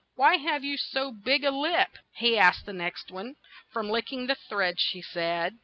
'Why have you so big a lip?" he asked the next one. "From lick ing the thread," she said.